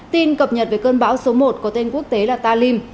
tin cập nhật về cơn bão số một có tên quốc tế là ta lim